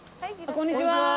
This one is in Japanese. こんにちは。